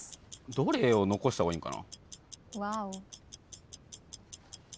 どれを残した方がいいのかな。